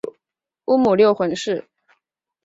母乌六浑氏。